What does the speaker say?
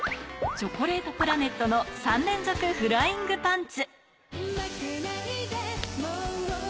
チョコレートプラネットの３連続フライングパンツ。